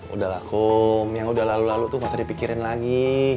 udahlah kum yang udah lalu lalu tuh masa dipikirin lagi